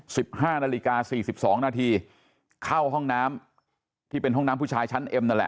สิบห้านาฬิกาสี่สิบสองนาทีเข้าห้องน้ำที่เป็นห้องน้ำผู้ชายชั้นเอ็มนั่นแหละ